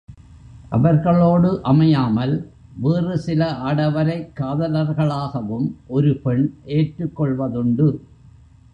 அவர்களோடு அமையாமல், வேறுசில ஆடவரைக் காதலர்களாகவும் ஒரு பெண் ஏற்றுக் கொள்வதுண்டு.